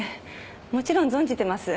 もちろん存じてます。